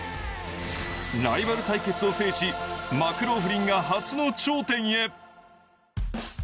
ライバル対決を制しマクローフリンが初の頂点へ。